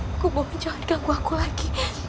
aku mohon jangan ganggu aku lagi